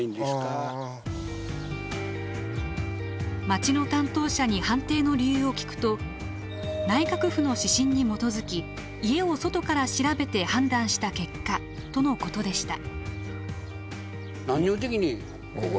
町の担当者に判定の理由を聞くと「内閣府の指針に基づき家を外から調べて判断した結果」とのことでした。